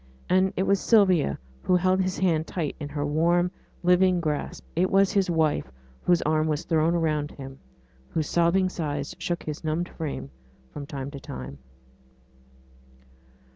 And it was Sylvia who held his hand tight in her warm, living grasp; it was his wife whose arm was thrown around him, whose sobbing sighs shook his numbed frame from time to time.